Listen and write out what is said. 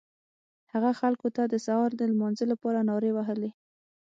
هغه خلکو ته د سهار د لمانځه لپاره نارې وهلې.